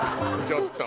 ちょっと！